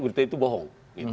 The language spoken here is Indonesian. berita itu bohong